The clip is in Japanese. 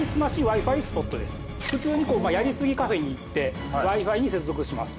普通にやりすぎカフェに行ってＷｉ−Ｆｉに接続します。